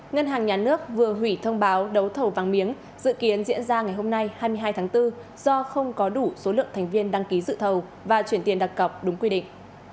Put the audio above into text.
ngân hàng nhà nước vừa hủy thông báo đấu thầu vàng miếng dự kiến diễn ra ngày hôm nay hai mươi hai tháng bốn do không có đủ số lượng thành viên đăng ký dự thầu và chuyển tiền đặc cọc đúng quy định